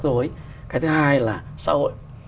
dối cái thứ hai là xã hội